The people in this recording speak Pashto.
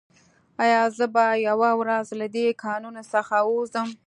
ایا زه به یوه ورځ له دې کانونو څخه ووځم